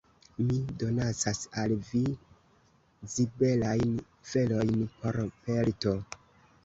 Mi donacas al vi zibelajn felojn por pelto!